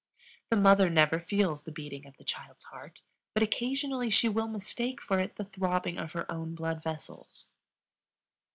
The mother never feels the beating of the child's heart, but occasionally she will mistake for it the throbbing of her own blood vessels.